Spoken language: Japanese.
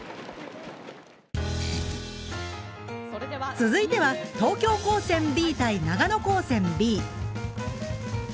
続いては東京高専Ｂ対長野高専Ｂ。